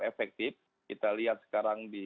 efektif kita lihat sekarang di